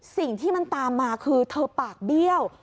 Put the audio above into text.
สิ่งที่มันตามมาคือเธอปากเบี้ยว